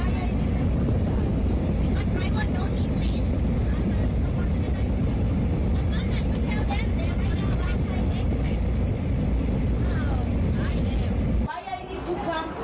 ถ้าเกิดไม่สนใจแต่ว่าให้กินไก่ต้องการให้ได้สนใจ